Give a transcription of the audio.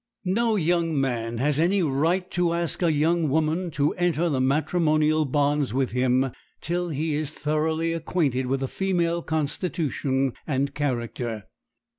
No young man has any right to ask a young woman to enter the matrimonial bonds with him till he is thoroughly acquainted with the female constitution and character.